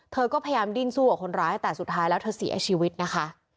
เธอก็พยายามดิ้นสู้กับคนร้ายแต่สุดท้ายแล้วเธอเสียชีวิตนะคะ